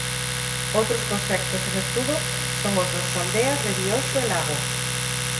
Outros proxectos en estudo son os das aldeas de Vioxo e Lago.